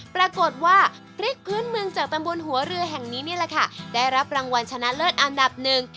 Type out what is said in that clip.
ประกวดว่าพริกพื้นเมืองแต่ลับ๑ได้รับรางวัลชนะเลิศอันดับหนึ่ง